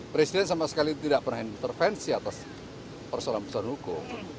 presiden sama sekali tidak pernah intervensi atas persoalan persoalan hukum